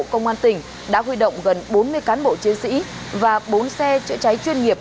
công an tỉnh đã huy động gần bốn mươi cán bộ chiến sĩ và bốn xe chữa cháy chuyên nghiệp